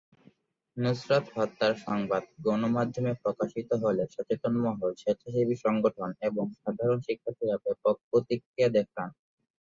নুসরাত হত্যার সংবাদ গণমাধ্যমে প্রকাশিত হলে সচেতন মহল, স্বেচ্ছাসেবী সংগঠন এবং সাধারণ শিক্ষার্থীরা ব্যাপক প্রতিক্রিয়া দেখান।